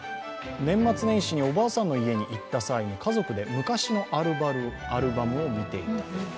年末年始におばあさんの家に行った際、家族で昔のアルバムを見ていたそうです。